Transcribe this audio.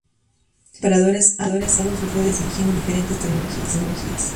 Estos operadores, han migrado sus redes eligiendo diferentes tecnologías.